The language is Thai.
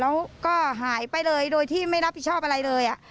แล้วก็หายไปเลยโดยที่ไม่รับผิดชอบอะไรเลย